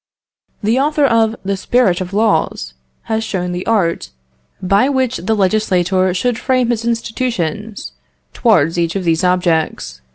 The author of the 'Spirit of Laws' has shown the art by which the legislator should frame his institutions towards each of these objects....